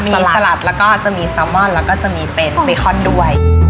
มีสลัดแล้วก็จะมีซาวมอนแล้วก็จะมีเป็นเบคอนด้วย